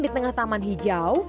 di tengah taman hijau